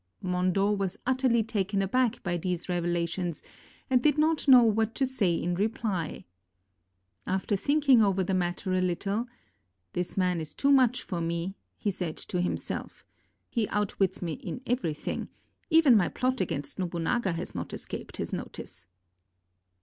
Mondo was utterly taken aback by these revelations and did not know what to say in reply. After thinking over the matter a little, "This man is too much for me," he said to himself. "He outwits me in everything; even my plot against Nobunaga has not escaped his notice."